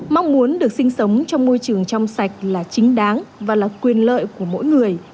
mong muốn được sinh sống trong môi trường trong sạch là chính đáng và là quyền lợi của mỗi người